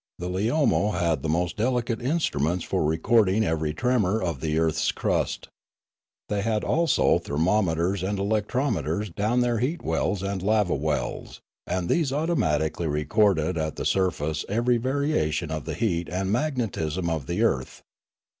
The Leomo had the most delicate instruments for recording every tremor Leomarie 95 of the earth's crust. They had also thermometers and electrometers down their heat wells and lava wells, and those automatically recorded at the surface every variation of the heat and magnetism of the earth.